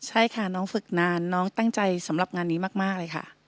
ใช่ค่ะน้องฝึกนานน้องตั้งใจสำหรับงานนี้มากเลยค่ะ